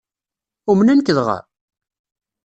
Umnen-k dɣa?